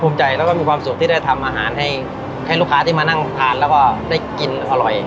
ใจแล้วก็มีความสุขที่ได้ทำอาหารให้ลูกค้าที่มานั่งทานแล้วก็ได้กินอร่อย